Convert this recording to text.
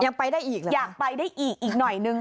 ยังไปได้อีกเหรออยากไปได้อีกอีกหน่อยนึง